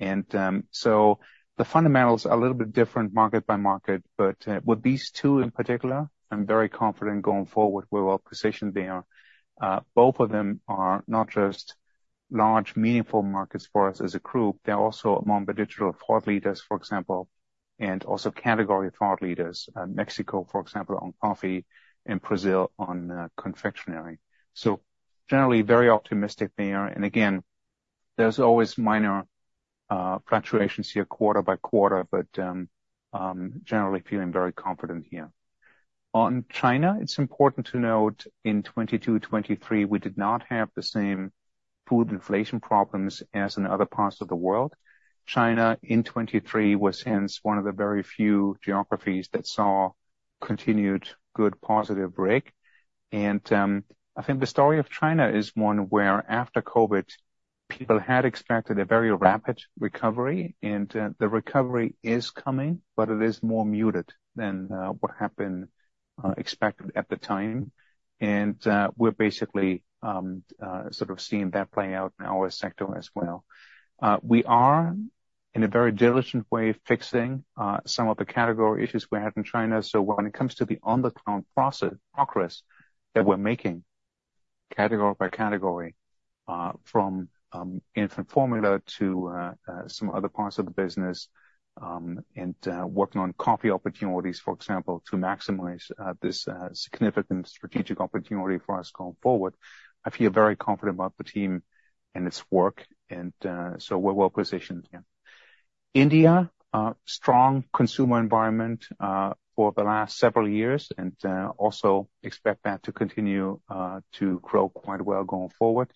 And, so the fundamentals are a little bit different market by market, but with these two in particular, I'm very confident going forward we're well positioned there. Both of them are not just large, meaningful markets for us as a group, they're also among the digital thought leaders, for example, and also category thought leaders. Mexico, for example, on coffee and Brazil on confectionery. Generally, very optimistic there, and again, there's always minor fluctuations here quarter by quarter, but generally feeling very confident here. On China, it's important to note in 2022, 2023, we did not have the same food inflation problems as in other parts of the world. China, in 2023, was hence one of the very few geographies that saw continued good, positive break. I think the story of China is one where after COVID, people had expected a very rapid recovery, and the recovery is coming, but it is more muted than what had been expected at the time. And, we're basically, sort of seeing that play out in our sector as well. We are in a very diligent way, fixing some of the category issues we had in China. So when it comes to the on-the-ground progress that we're making, category by category, from infant formula to some other parts of the business, and working on coffee opportunities, for example, to maximize this significant strategic opportunity for us going forward, I feel very confident about the team and its work, and so we're well positioned here. India, a strong consumer environment for the last several years, and also expect that to continue to grow quite well going forward.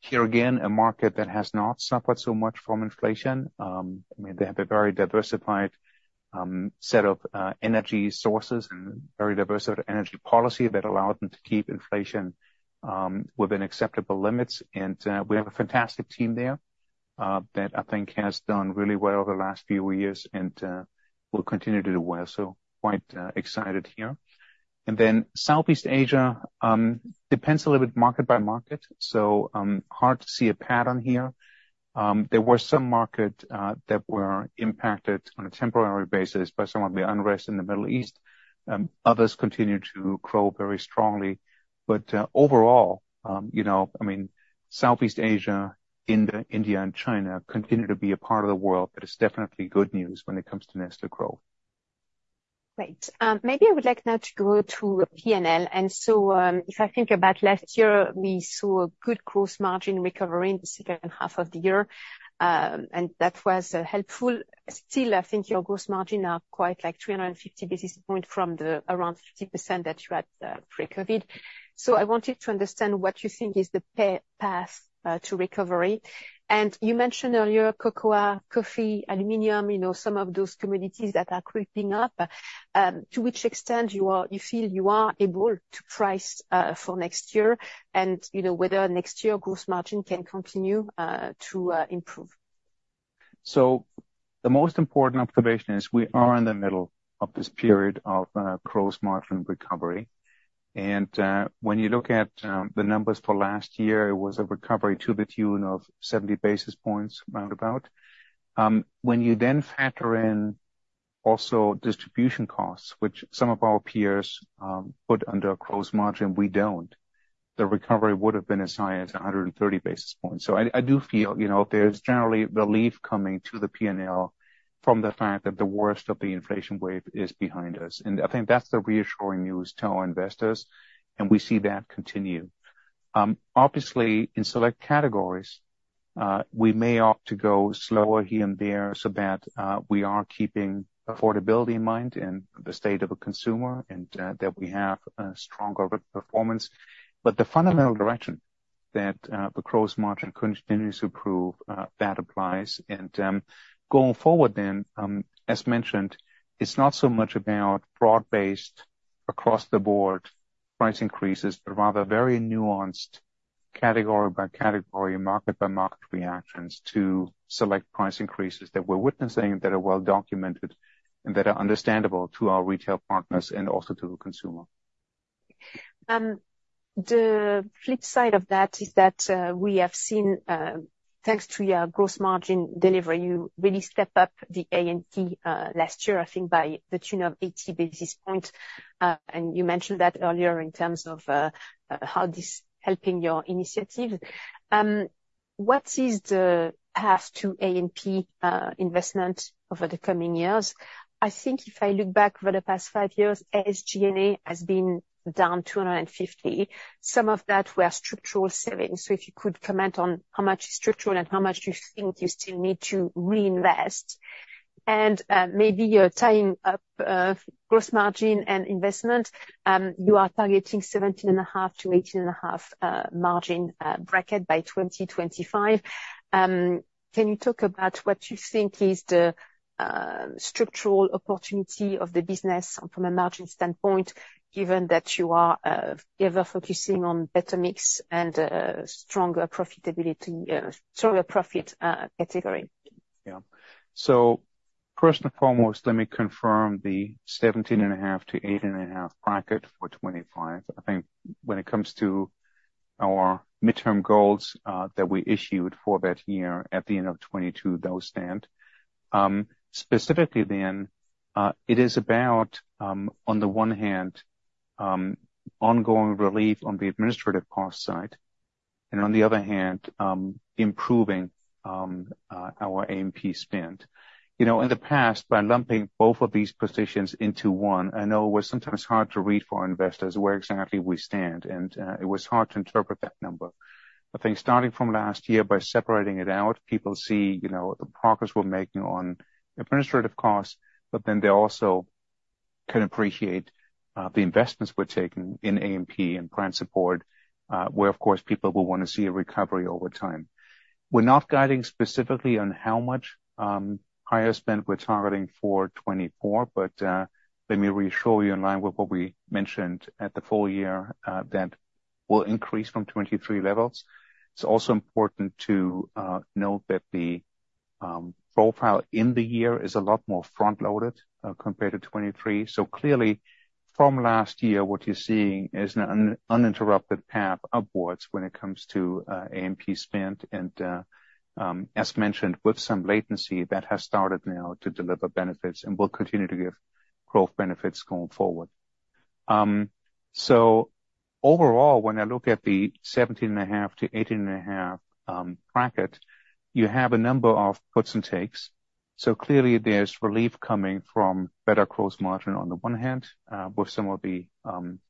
Here, again, a market that has not suffered so much from inflation. I mean, they have a very diversified set of energy sources and very diverse set of energy policy that allowed them to keep inflation within acceptable limits. And we have a fantastic team there that I think has done really well over the last few years and will continue to do well, so quite excited here. And then Southeast Asia depends a little bit market by market, so hard to see a pattern here. There were some market that were impacted on a temporary basis by some of the unrest in the Middle East. Others continue to grow very strongly. But overall, you know, I mean, Southeast Asia, India, India, and China continue to be a part of the world, but it's definitely good news when it comes to Nestlé growth. Great. Maybe I would like now to go to P&L. So, if I think about last year, we saw a good gross margin recovery in the second half of the year, and that was helpful. Still, I think your gross margin is quite like 350 basis points from the around 50% that you had pre-COVID. So I wanted to understand what you think is the path to recovery. And you mentioned earlier, cocoa, coffee, aluminum, you know, some of those commodities that are creeping up. To which extent you are, you feel you are able to price for next year, and, you know, whether next year gross margin can continue to improve? So the most important observation is we are in the middle of this period of gross margin recovery. And when you look at the numbers for last year, it was a recovery to the tune of 70 basis points, round about. When you then factor in also distribution costs, which some of our peers put under gross margin, we don't, the recovery would have been as high as 130 basis points. So I do feel, you know, there's generally relief coming to the P&L from the fact that the worst of the inflation wave is behind us, and I think that's the reassuring news to our investors, and we see that continue. Obviously, in select categories, we may opt to go slower here and there so that we are keeping affordability in mind and the state of the consumer, and that we have a stronger performance. But the fundamental direction that the gross margin continues to improve, that applies. And going forward then, as mentioned, it's not so much about broad-based, across-the-board price increases, but rather very nuanced, category by category, market by market reactions to select price increases that we're witnessing, that are well documented and that are understandable to our retail partners and also to the consumer. The flip side of that is that, we have seen, thanks to your gross margin delivery, you really step up the A&P, last year, I think by the tune of 80 basis points. And you mentioned that earlier in terms of, how this is helping your initiatives. What is the path to A&P, investment over the coming years? I think if I look back over the past five years, SG&A has been down 250. Some of that were structural savings. So if you could comment on how much is structural and how much you think you still need to reinvest. And, maybe you're tying up, gross margin and investment. You are targeting 17.5-18.5 margin bracket by 2025. Can you talk about what you think is the structural opportunity of the business from a margin standpoint, given that you are ever-focusing on better mix and stronger profitability, stronger profit, category?... Yeah. So first and foremost, let me confirm the 17.5-18.5 bracket for 2025. I think when it comes to our midterm goals, that we issued for that year at the end of 2022, those stand. Specifically then, it is about, on the one hand, ongoing relief on the administrative cost side, and on the other hand, improving our A&P spend. You know, in the past, by lumping both of these positions into one, I know it was sometimes hard to read for our investors where exactly we stand, and it was hard to interpret that number. I think starting from last year, by separating it out, people see, you know, the progress we're making on administrative costs, but then they also can appreciate the investments we're taking in A&P and brand support, where, of course, people will wanna see a recovery over time. We're not guiding specifically on how much higher spend we're targeting for 2024, but let me reassure you, in line with what we mentioned at the full year, that will increase from 2023 levels. It's also important to note that the profile in the year is a lot more front-loaded compared to 2023. So clearly, from last year, what you're seeing is an uninterrupted path upwards when it comes to A&P spend, and, as mentioned, with some latency that has started now to deliver benefits and will continue to give growth benefits going forward. So overall, when I look at the 17.5 to 18.5 bracket, you have a number of puts and takes. So clearly there's relief coming from better gross margin on the one hand, with some of the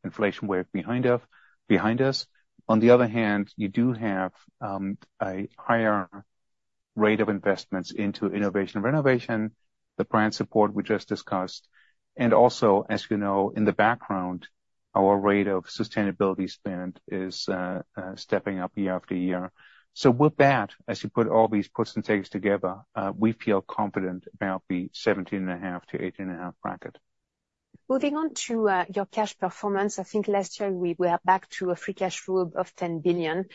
inflation wave behind us. On the other hand, you do have a higher rate of investments into innovation and renovation, the brand support we just discussed, and also, as you know, in the background, our rate of sustainability spend is stepping up year after year. So with that, as you put all these puts and takes together, we feel confident about the 17.5-18.5 bracket. Moving on to your cash performance, I think last year we are back to a free cash flow of 10 billion.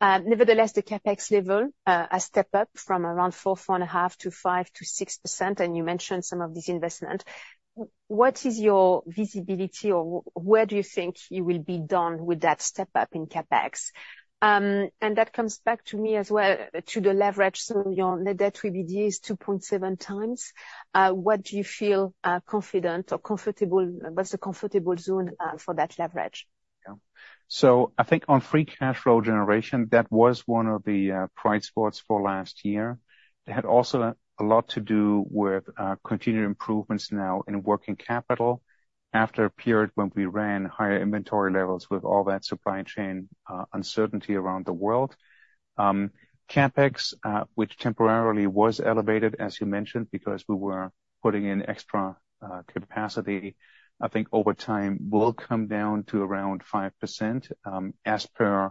Nevertheless, the CapEx level, a step up from around 4-4.5% to 5%-6%, and you mentioned some of this investment. What is your visibility, or where do you think you will be done with that step up in CapEx? And that comes back to me as well, to the leverage. So your net debt will be 2.7 times. What do you feel confident or comfortable? What's the comfortable zone for that leverage? Yeah. So I think on free cash flow generation, that was one of the bright spots for last year. It had also a lot to do with continued improvements now in working capital after a period when we ran higher inventory levels with all that supply chain uncertainty around the world. CapEx, which temporarily was elevated, as you mentioned, because we were putting in extra capacity, I think over time will come down to around 5%, as per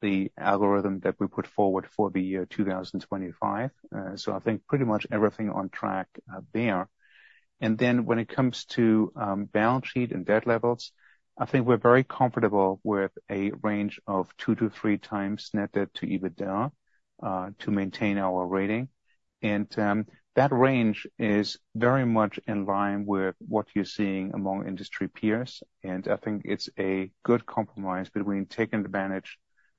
the algorithm that we put forward for the year 2025. So I think pretty much everything on track there. And then when it comes to balance sheet and debt levels, I think we're very comfortable with a range of two to three times net debt to EBITDA to maintain our rating. That range is very much in line with what you're seeing among industry peers, and I think it's a good compromise between taking advantage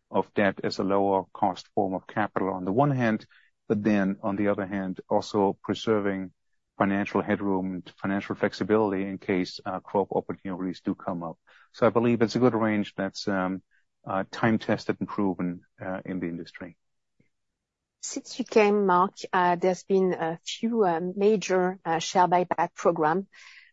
of debt as a lower cost form of capital on the one hand, but then on the other hand, also preserving financial headroom, financial flexibility in case growth opportunities do come up. So I believe it's a good range that's time-tested and proven in the industry. Since you came, Mark, there's been a few major share buyback program.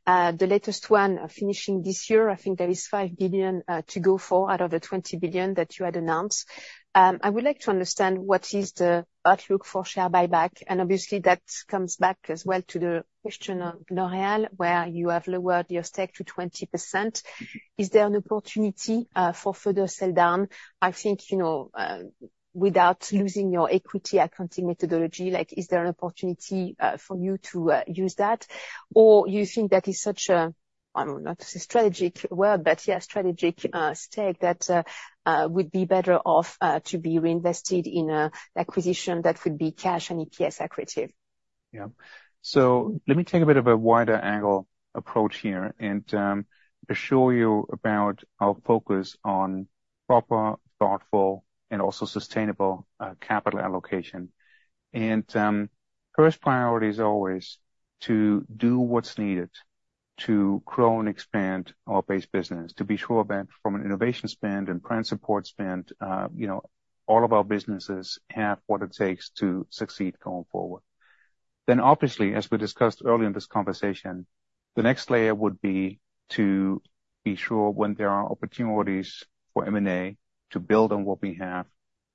The latest one finishing this year, I think there is 5 billion to go for out of the 20 billion that you had announced. I would like to understand, what is the outlook for share buyback? And obviously, that comes back as well to the question of L'Oréal, where you have lowered your stake to 20%. Is there an opportunity for further sell down? I think, you know, without losing your equity accounting methodology, like, is there an opportunity for you to use that? Or you think that is such a, not a strategic word, but yeah, strategic stake that would be better off to be reinvested in a acquisition that would be cash and EPS accretive? Yeah. So let me take a bit of a wider angle approach here and assure you about our focus on proper, thoughtful, and also sustainable capital allocation. And first priority is always to do what's needed to grow and expand our base business, to be sure that from an innovation spend and brand support spend you know all of our businesses have what it takes to succeed going forward. Then obviously, as we discussed earlier in this conversation, the next layer would be to be sure when there are opportunities for M&A to build on what we have.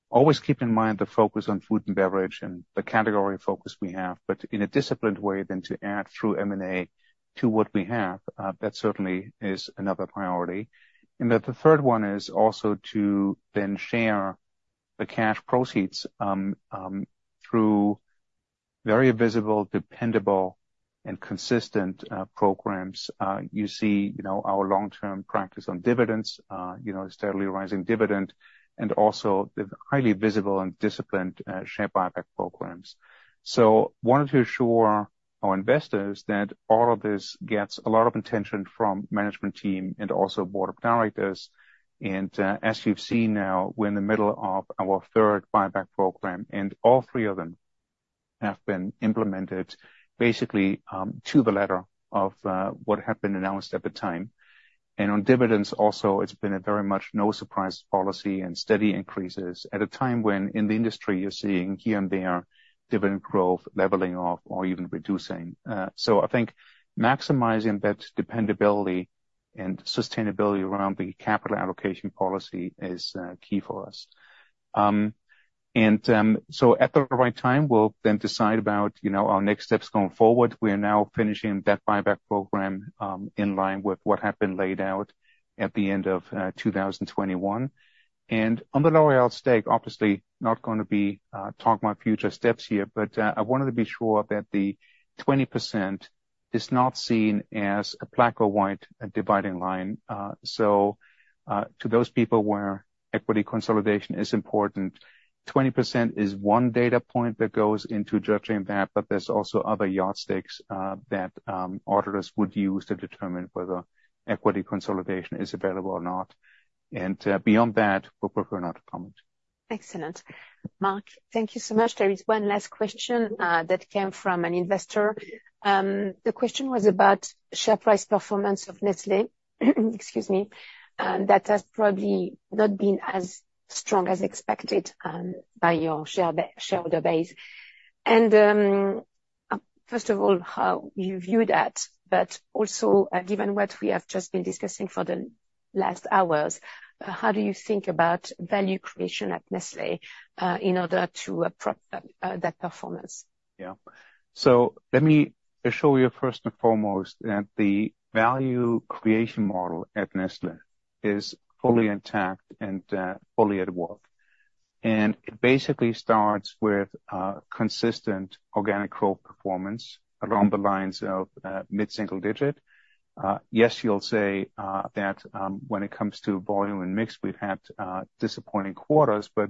Always keep in mind the focus on food and beverage and the category focus we have, but in a disciplined way than to add through M&A to what we have that certainly is another priority. And then the third one is also to then share the cash proceeds through very visible, dependable and consistent programs. You see, you know, our long-term practice on dividends, you know, steadily rising dividend, and also the highly visible and disciplined share buyback programs. So wanted to assure our investors that all of this gets a lot of attention from management team and also board of directors. And, as you've seen now, we're in the middle of our third buyback program, and all three of them have been implemented basically to the letter of what had been announced at the time. And on dividends also, it's been a very much no surprise policy and steady increases at a time when, in the industry, you're seeing here and there dividend growth leveling off or even reducing. So I think maximizing that dependability and sustainability around the capital allocation policy is key for us. And so at the right time, we'll then decide about, you know, our next steps going forward. We are now finishing that buyback program in line with what had been laid out at the end of 2021. And on the L'Oréal stake, obviously not gonna talk about future steps here, but I wanted to be sure that the 20% is not seen as a black or white dividing line. So to those people where equity consolidation is important, 20% is one data point that goes into judging that, but there's also other yardsticks that auditors would use to determine whether equity consolidation is available or not. And beyond that, we prefer not to comment. Excellent. Mark, thank you so much. There is one last question that came from an investor. The question was about share price performance of Nestlé, excuse me, that has probably not been as strong as expected by your shareholder base. First of all, how you view that, but also, given what we have just been discussing for the last hours, how do you think about value creation at Nestlé in order to approach that performance? Yeah. So let me assure you, first and foremost, that the value creation model at Nestlé is fully intact and, fully at work. And it basically starts with, consistent organic growth performance along the lines of, mid-single digit. Yes, you'll say, that, when it comes to volume and mix, we've had, disappointing quarters, but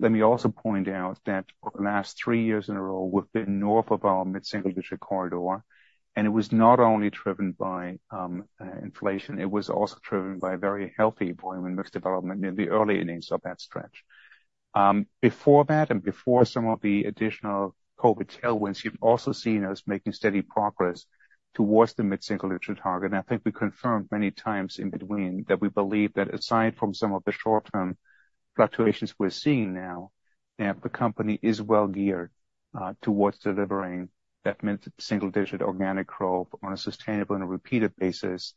let me also point out that for the last three years in a row, we've been north of our mid-single digit corridor, and it was not only driven by, inflation, it was also driven by a very healthy volume and mix development in the early innings of that stretch. Before that, and before some of the additional COVID tailwinds, you've also seen us making steady progress towards the mid-single digit target. And I think we confirmed many times in between that we believe that aside from some of the short-term fluctuations we're seeing now, that the company is well geared towards delivering that mid-single digit organic growth on a sustainable and a repeated basis.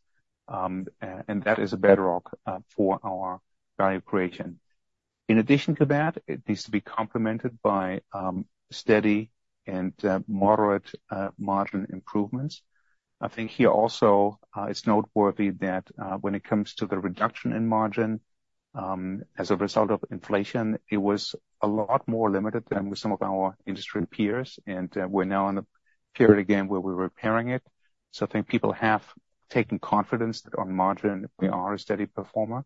And that is a bedrock for our value creation. In addition to that, it needs to be complemented by steady and moderate margin improvements. I think here also, it's noteworthy that when it comes to the reduction in margin as a result of inflation, it was a lot more limited than with some of our industry peers, and we're now in a period again where we're repairing it. So I think people have taken confidence that on margin, we are a steady performer.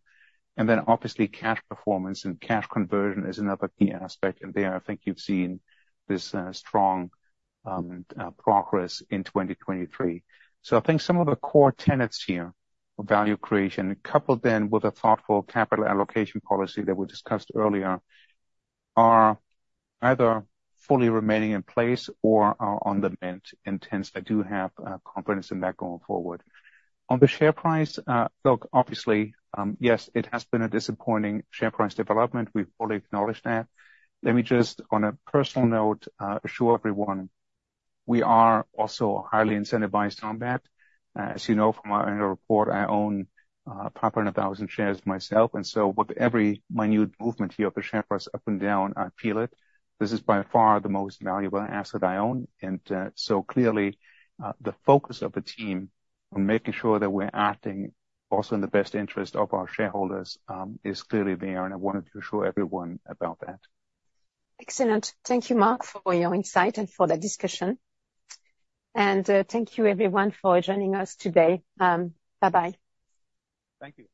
And then obviously, cash performance and cash conversion is another key aspect, and there, I think you've seen this strong progress in 2023. So I think some of the core tenets here, value creation, coupled then with a thoughtful capital allocation policy that we discussed earlier, are either fully remaining in place or are on the mend. And hence I do have confidence in that going forward. On the share price, look, obviously, yes, it has been a disappointing share price development. We've fully acknowledged that. Let me just, on a personal note, assure everyone, we are also highly incentivized on that. As you know, from our annual report, I own more than 1,000 shares myself, and so with every minute movement here, the share price up and down, I feel it. This is by far the most valuable asset I own. So clearly, the focus of the team on making sure that we're acting also in the best interest of our shareholders is clearly there, and I wanted to assure everyone about that. Excellent. Thank you, Mark, for your insight and for the discussion. Thank you everyone for joining us today. Bye-bye. Thank you.